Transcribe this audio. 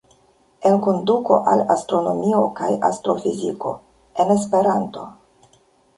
"Enkonduko al astronomio kaj astrofiziko" - en Esperanto!